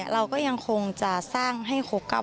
เราก็ยังคงจะสร้างให้๖๙